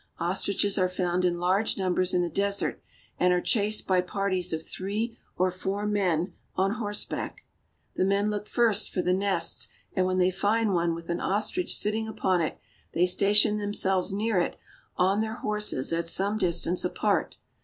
Ostriches are found in large numbers in the desert, and are chased by parties of three or four men on horseback. The men look first for the nests, and when they find one with an ostrich sitting upon it, they station themselves near it on their horses at some distance apart.